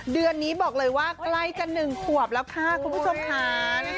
เดือนนี้บอกเลยว่าใกล้กัน๑ขวบแล้วค่ะคุณผู้ชมค่ะ